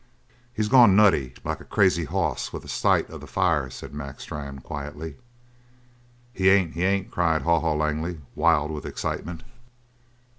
"He's gone nutty, like a crazy hoss with the sight of the fire," said Mac Strann quietly. "He ain't! He ain't!" cried Haw Haw Langley, wild with excitement.